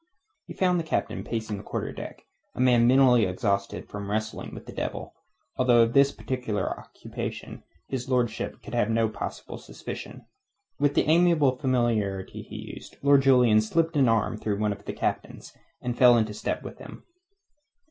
He found the Captain pacing the quarter deck, a man mentally exhausted from wrestling with the Devil, although of this particular occupation his lordship could have no possible suspicion. With the amiable familiarity he used, Lord Julian slipped an arm through one of the Captain's, and fell into step beside him.